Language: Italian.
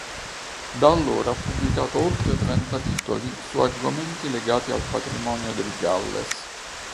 Da allora ha pubblicato oltre trenta titoli su argomenti legati al patrimonio del Galles.